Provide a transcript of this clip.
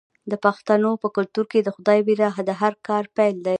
د پښتنو په کلتور کې د خدای ویره د هر کار پیل دی.